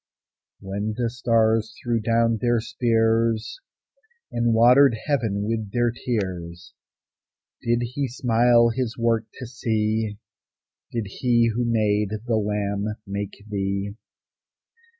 When the stars threw down their spears, And watered heaven with their tears, Did He smile His work to see? Did He who made the lamb make thee?